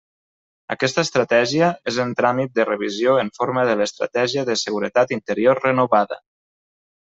Aquesta Estratègia és en tràmit de revisió en forma de l'Estratègia de seguretat interior renovada.